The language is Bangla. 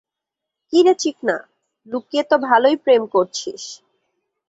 কিরে চিকনা, লুকিয়ে তো ভালোই প্রেম করছিস।